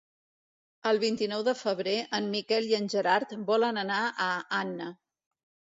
El vint-i-nou de febrer en Miquel i en Gerard volen anar a Anna.